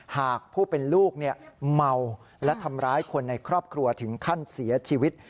หากผู้เป็นลูกเมาและทำร้ายคนในครอบครัวถึงขั้นเสียชีวิต